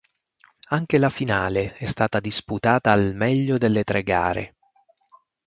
Anche la finale è stata disputata al meglio delle tre gare.